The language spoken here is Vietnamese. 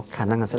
bất đắc gì